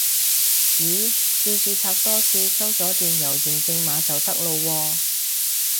咦試註冊多次收咗電郵驗證碼就得喇喎